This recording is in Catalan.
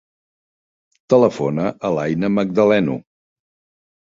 Telefona a l'Aina Magdaleno.